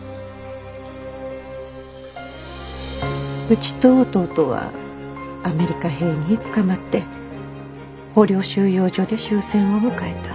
うちと弟はアメリカ兵につかまって捕虜収容所で終戦を迎えた。